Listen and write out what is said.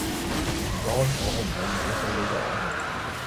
唔該我可唔可以買一堆呢個？